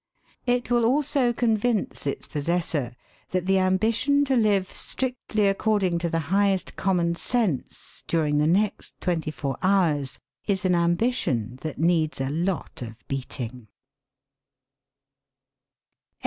It will also convince its possessor that the ambition to live strictly according to the highest common sense during the next twenty four hours is an ambition that needs a lot of beating.